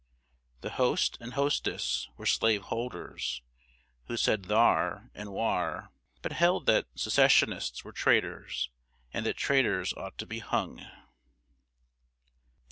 The host and hostess were slaveholders, who said "thar" and "whar," but held that Secessionists were traitors, and that traitors ought to be hung.